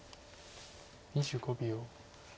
２５秒。